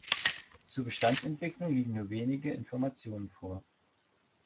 Zur Bestandsentwicklung liegen nur wenige Informationen vor.